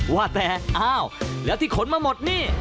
ว่าแต่อ้าวแล้วที่ขนมาหมดนี่